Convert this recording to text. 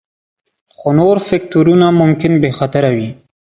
خو نور فکتورونه ممکن بې خطره وي